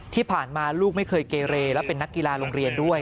ที่ผ่านมาลูกไม่เคยเกเรและเป็นนักกีฬาโรงเรียนด้วย